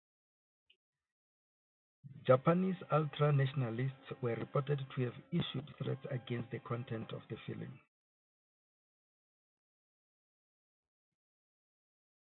Japanese ultra-nationalists were reported to have issued threats against the content of the film.